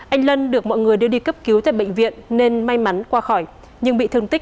anh lân được mọi người đưa đi cấp cứu tại bệnh viện nên may mắn qua khỏi nhưng bị thương tích năm mươi bốn